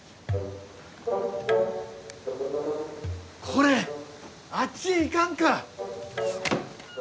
これ、あっちへ行かんか。